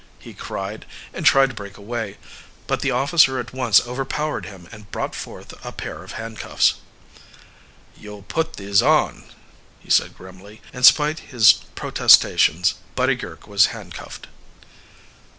he cried, and tried to break away, but the officer at once overpowered him and brought forth a pair of handcuffs. "You'll put these on," he said grimly, and spite his protestations Buddy Girk was handcuffed.